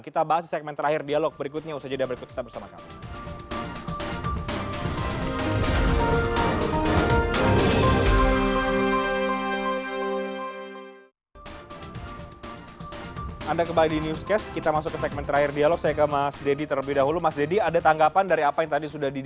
kita bahas di segmen terakhir dialog berikutnya